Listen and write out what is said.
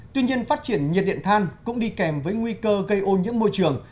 tuy nhiên phát triển nhiệt điện than cũng đi kèm với nguy cơ gây ô nhiễm môi trường